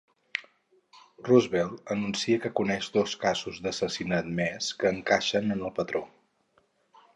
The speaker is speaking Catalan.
Roosevelt anuncia que coneix dos casos d'assassinat més que encaixen en el patró.